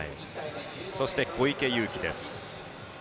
そして、小池祐貴です。